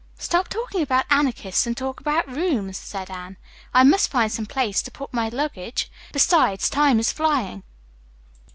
"Stop talking about anarchists and talk about rooms," said Anne. "I must find some place to put my luggage. Besides, time is flying.